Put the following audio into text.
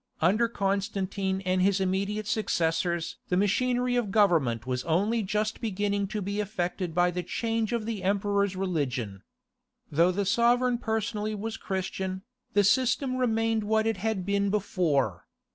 Under Constantine and his immediate successors the machinery of government was only just beginning to be effected by the change of the emperor's religion. Though the sovereign personally was Christian, the system remained what it had been before.